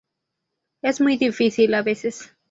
Es muy difícil a veces.